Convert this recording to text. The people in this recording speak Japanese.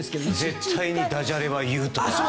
絶対にダジャレは言うとか。